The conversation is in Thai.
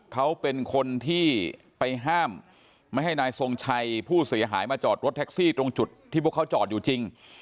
เขาเป็นคนที่ไปห้ามไม่ให้นายทรงชัยผู้เสียหายมาจอดรถแท็กซี่ตรงจุดที่พวกเขาจอดอยู่จริง